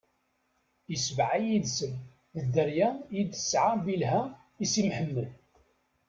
I sebɛa yid-sen, d dderya i s-d-tesɛa Bilha i Si Mḥemmed.